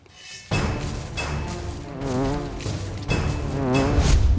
ปีน้อง